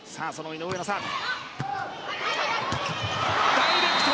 ダイレクト！